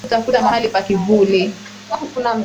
Mnyama kutafuta mahali pa kivuli